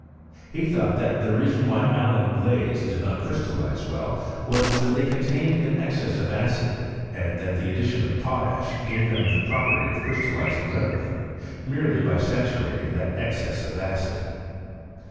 He thought that the reason why alum leys did not crystallize well was, that they contained an excess of acid, and that the addition of potash gave them the property of crystallizing readily, merely by saturating that excess of add.